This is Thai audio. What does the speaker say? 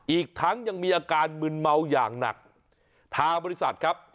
อีกทั้งยังมีอาการมึนเมาอย่างหนักทางบริษัทครับ